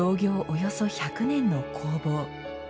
およそ１００年の工房。